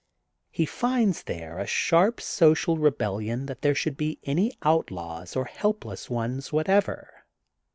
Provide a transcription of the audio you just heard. He finds there a sharp social rebellion that there should be any outlaws or helpless ones what ever.